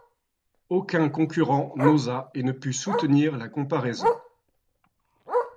Aucun concurrent n'osa et ne put soutenir la comparaison.